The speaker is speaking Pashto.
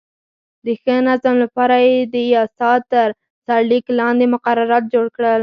د ښه نظم لپاره یې د یاسا تر سرلیک لاندې مقررات جوړ کړل.